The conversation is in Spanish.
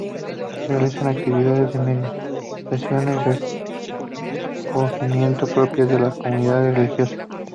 Se realizaban actividades de meditación y recogimiento, propias de las comunidades religiosas.